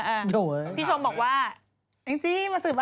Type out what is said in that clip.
วันนี้ชมผู้ที่๓แทรฟ